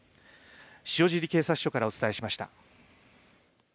塩尻警察署からお伝えしました。